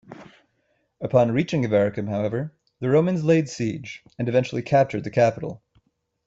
Upon reaching Avaricum however, the Romans laid siege and eventually captured the capital.